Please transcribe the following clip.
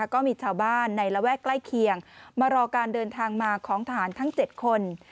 ก็มีชาวบ้านในระแวกใกล้เคียงมารอการเดินทางมาของทหารทั้ง๗คน